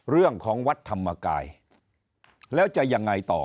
เรื่องของวัดธรรมกายแล้วจะยังไงต่อ